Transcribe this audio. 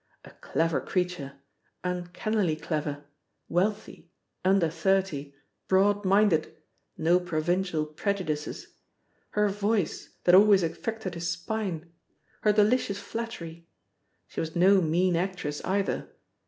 A clever creature! Uncannily clever! Wealthy! Under thirty! Broad minded! No provincial prejudices! ... Her voice, that always affected his spine! Her delicious flattery! ... She was no mean actress either!